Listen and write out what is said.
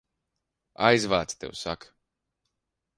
Aizvāc, tev saka!